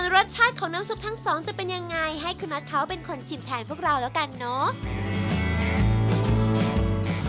รสชาติของน้ำซุปทั้งสองจะเป็นยังไงให้คุณน็อตเขาเป็นคนชิมแทนพวกเราแล้วกันเนาะ